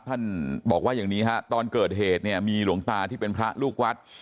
ท่านบอกว่าอย่างนี้ฮะตอนเกิดเหตุเนี่ยมีหลวงตาที่เป็นพระลูกวัด